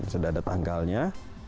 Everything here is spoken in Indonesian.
sudah ada tanggalnya